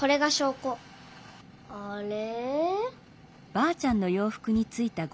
あれ？